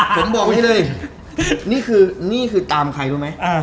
ผมบอกไว้เลยนี่คือนี่คือตามใครรู้ไหม